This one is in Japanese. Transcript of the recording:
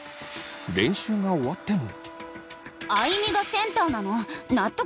練習が終わっても。